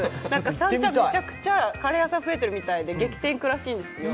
三茶はめちゃくちゃカレー屋さん増えてるらしくて激戦区らしいんですよ。